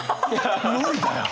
無理だよ。